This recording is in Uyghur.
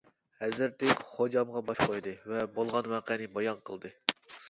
ھەزرىتى خوجامغا باش قويدى ۋە بولغان ۋەقەنى بايان قىلدى.